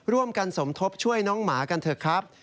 ร่วมกันสมทบช่วยน้องหมากันเถอะครับ